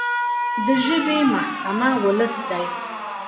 د ژبې محکمه ولس دی.